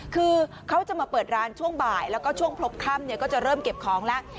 คือเขาจะมาเปิดร้านช่วงบ่ายแล้วก็ช่วงพบค่ำก็จะเริ่มเก็บของแล้ว